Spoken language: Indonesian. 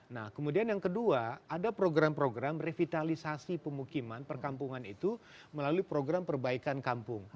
nah kemudian yang kedua ada program program revitalisasi pemukiman perkampungan itu melalui program perbaikan kampung